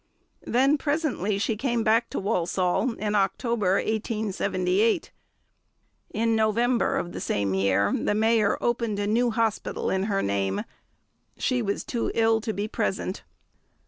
Then presently she came back to Walsall, in October 1878. In November of the same year the Mayor opened a new hospital in her name; she was too ill to be present.